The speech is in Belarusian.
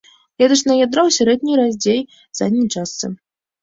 Клетачнае ядро ў сярэдняй, радзей задняй частцы.